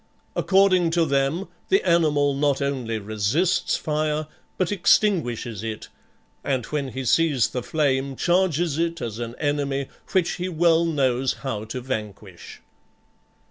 According to them, the animal not only resists fire, but extinguishes it, and when he sees the flame charges it as an enemy which he well knows how to vanquish.